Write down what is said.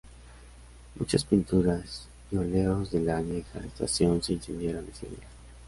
Muchas pinturas y óleos de la añeja estación se incendiaron ese día.